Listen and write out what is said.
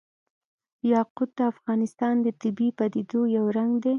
یاقوت د افغانستان د طبیعي پدیدو یو رنګ دی.